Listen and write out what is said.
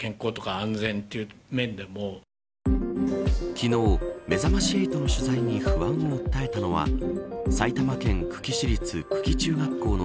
昨日、めざまし８の取材に不安を訴えたのは埼玉県久喜市立久喜中学校の